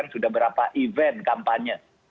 dua ratus sembilan sudah berapa event kampanye